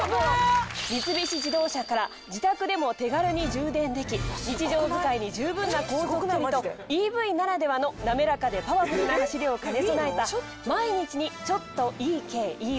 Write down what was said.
三菱自動車から自宅でも手軽に充電でき日常遣いにじゅうぶんな航続距離とＥＶならではの滑らかでパワフルな走りを兼ね備えた毎日にちょっと、いい軽ＥＶ。